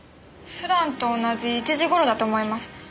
普段と同じ１時頃だと思います。